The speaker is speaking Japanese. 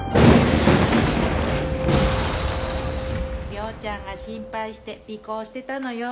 涼ちゃんが心配して尾行してたのよ。